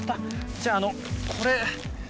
じゃああのこれ。